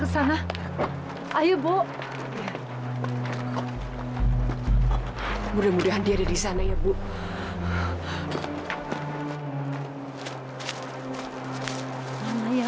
sampai jumpa di video selanjutnya